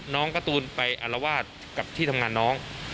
การ์ตูนไปอารวาสกับที่ทำงานน้อง